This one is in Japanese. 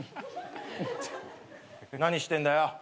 何してんだよ。